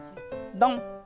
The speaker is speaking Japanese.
ドン！